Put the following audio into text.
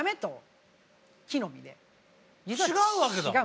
違うわけだ。